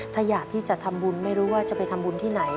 ถ้าอยากที่จะทำบุญไม่รู้ว่าจะไปทำบุญที่ไหน